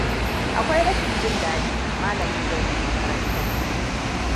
Akwai rashin jin dadi malamin zai bar makarantar mu.